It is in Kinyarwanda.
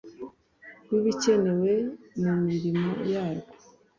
w ibikenewe mu mirimo yarwo